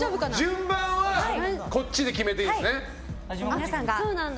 順番はこっちで決めていいですね。